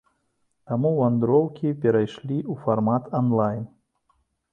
Таму вандроўкі перайшлі ў фармат анлайн.